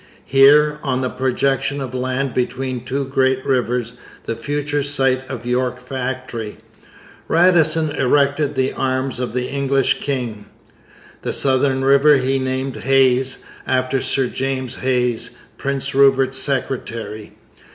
Here, on the projection of land between two great rivers the future site of York Factory Radisson erected the arms of the English king. The southern river he named Hayes, after Sir James Hayes, Prince Rupert's secretary.